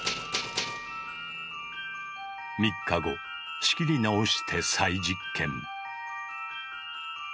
３日後仕切り直して再実験。